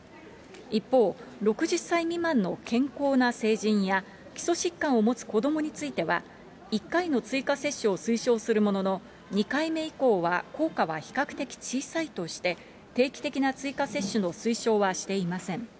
一方、６０歳未満の健康な成人や、基礎疾患を持つ子どもについては、１回の追加接種を推奨するものの、２回目以降は効果は比較的小さいとして、定期的な追加接種の推奨はしていません。